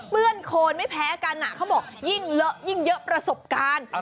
นโคนไม่แพ้กันเขาบอกยิ่งเลอะยิ่งเยอะประสบการณ์